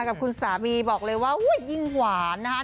กับคุณสามีบอกเลยว่าอุ้ยยิ่งหวานนะคะ